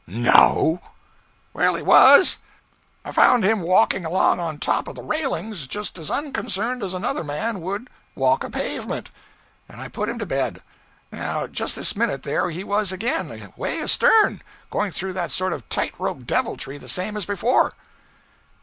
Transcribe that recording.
'No.' 'Well, he was. I found him walking along on top of the railings just as unconcerned as another man would walk a pavement; and I put him to bed; now just this minute there he was again, away astern, going through that sort of tight rope deviltry the same as before.'